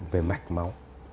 về mạch máu